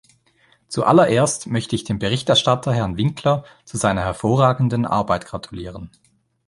Zuallererst möchte ich dem Berichterstatter Herrn Winkler zu seiner hervorragenden Arbeit gratulieren.